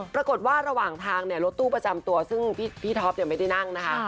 ปรากฏว่าระหว่างทางเนี่ยรถตู้ประจำตัวซึ่งพี่ธอมไม่ได้นั่งนะคะ